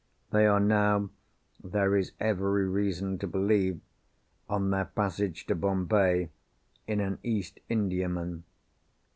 They are now (there is every reason to believe) on their passage to Bombay, in an East Indiaman.